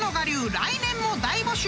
来年も大募集！］